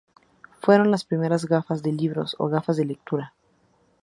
Fueron las primeras gafas de libros o gafas de lectura.